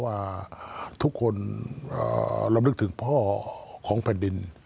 ว่าทุกคนลำลึกถึงพ่อของแผ่นดิน